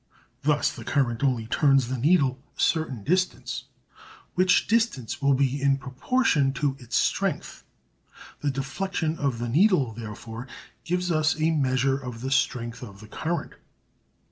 Thus the current only turns the needle a certain distance, which distance will be in proportion to its strength. The deflection of the needle, therefore, gives us a measure of the strength of the current.